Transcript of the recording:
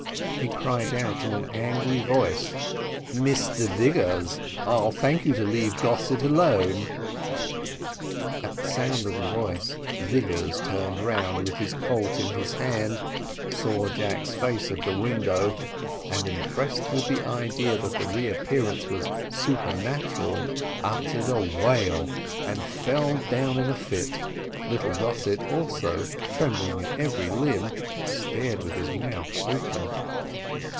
He cried out in an angry voice, "Mr Vigors, I'll thank you to leave Gossett alone." At the sound of the voice Vigors turned round with his colt in his hand, saw Jack's face at the window, and, impressed with the idea that the reappearance was supernatural, uttered a yell and fell down in a fit little Gossett also trembling in every limb, stared with his mouth open.